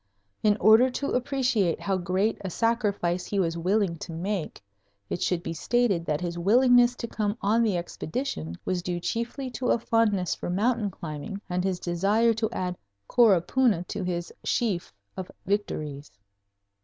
In order to appreciate how great a sacrifice he was willing to make, it should be stated that his willingness to come on the Expedition was due chiefly to a fondness for mountain climbing and his desire to add Coropuna to his sheaf of victories.